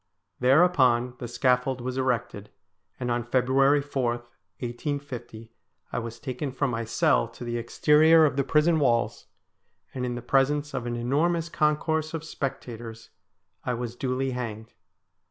Thereupon the scaffold was erected, and on February 4, 1850, I was taken from my cell to the exterior of the prison walls, and in the presence of an enormous concourse of spectators I was duly hanged.